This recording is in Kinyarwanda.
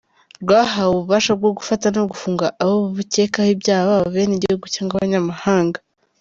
Rwahawe ububasha bwo gufata no gufunga abo bukekaho ibyaha, baba abenegihugu cyangwa abanyamahanga.